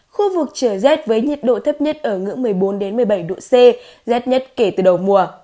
khu vực trở dết với nhiệt độ thấp nhất ở ngưỡng một mươi bốn một mươi bảy độ c dết nhất kể từ đầu mùa